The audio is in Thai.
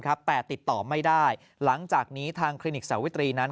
แต่ติดต่อไม่ได้หลังจากนี้ทางคลินิกสาวิตรีนั้น